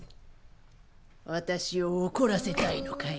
私を怒らせたいのかい？